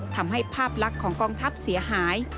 ทำให้ภาพลักษณ์ของกองทัพเสียหาย